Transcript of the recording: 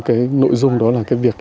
cái nội dung đó là cái việc